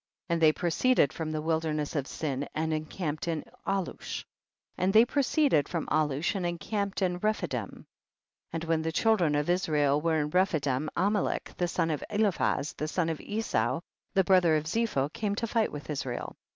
50. And they proceeded from the wilderness of Sin and encamped in Alush. 51. And they proceeded from Alush and encamped in Rephidim. 52. And when the children of Is rael were in Rephidim, Amalek the son of Eliphaz, the son of Esau, the brother of Zepho, came to fight with Israel.